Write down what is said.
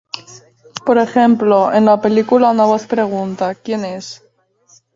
Por ejemplo, en la película una voz pregunta ¿quien es?